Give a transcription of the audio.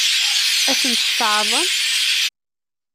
Ad sent-tt-tɛeṛḍemt?